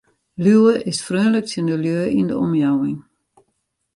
Liuwe is freonlik tsjin de lju yn de omjouwing.